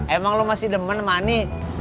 emang lu masih demen sama ani